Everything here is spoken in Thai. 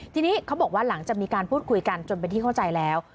ทีนี้เขาบอกว่าหลังจากมีการพูดคุยกันจนเป็นที่เข้าใจแล้ว